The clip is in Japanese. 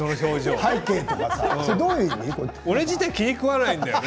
俺自体はその顔が気に食わないんだよね。